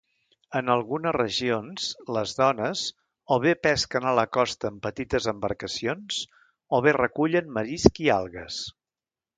En algunes regions, les dones o bé pesquen a la costa en petites embarcacions o bé recullen marisc i algues.